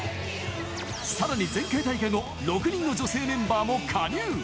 さらに前回大会後、６人の女性メンバーも加入。